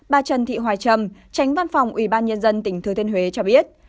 bà trần thị hoài trâm tránh văn phòng ủy ban nhân dân tỉnh thừa thiên huế cho biết